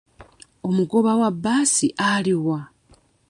Omugoba wa bbaasi ali wa?